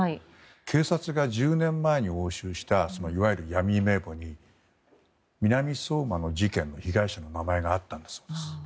警察が１０年前に押収したいわゆる闇名簿に南相馬の事件の被害者の名前があったんですよ。